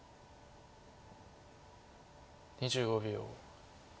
２５秒。